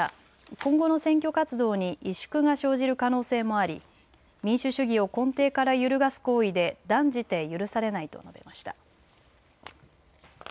今後の選挙活動に萎縮が生じる可能性もあり、民主主義を根底から揺るがす行為で断じて許されないと述べました。